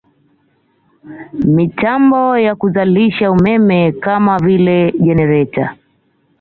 Mitambo ya kuzalisha umeme kama vile jenereta